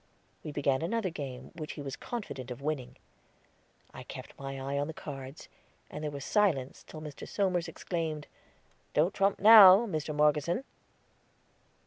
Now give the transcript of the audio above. We began another game, which he was confident of winning. I kept my eyes on the cards, and there was silence till Mr. Somers exclaimed, "Don't trump now, Mr. Morgeson."